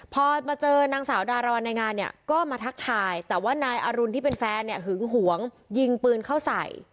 พอมาเจอนางสาวดารวรรณในงานเนี่ยก็มาทักทายแต่ว่านายอรุณที่เป็นแฟนเนี่ยหึงหวงยิงปืนเข้าใส่